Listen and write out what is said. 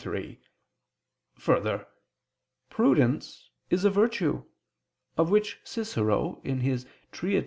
3: Further, prudence is a virtue, of which Cicero (De Invent.